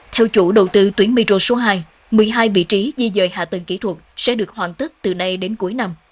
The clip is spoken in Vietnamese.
theo chủ đầu tư tuyến metro số hai một mươi hai vị trí di dời hạ tầng kỹ thuật sẽ được hoàn tất từ nay đến cuối năm